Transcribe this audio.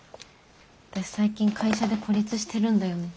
私最近会社で孤立してるんだよね。